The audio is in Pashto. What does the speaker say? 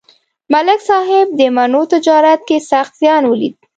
ملک صاحب د مڼو تجارت کې سخت زیان ولید.